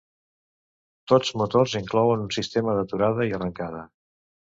Tots motors inclouen un sistema d'aturada i arrencada.